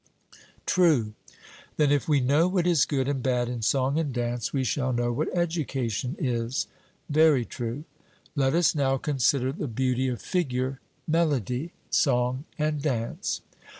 'True.' Then, if we know what is good and bad in song and dance, we shall know what education is? 'Very true.' Let us now consider the beauty of figure, melody, song, and dance.